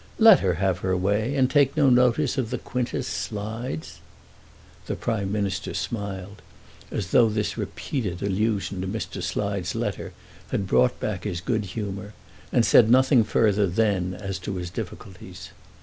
Let her have her way, and take no notice of the Quintus Slides." The Prime Minister smiled, as though this repeated allusion to Mr. Slide's letter had brought back his good humour, and said nothing further then as to his difficulties.